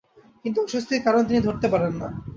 কিন্তু অস্বস্তির কারণ তিনি ধরতে পারেন না।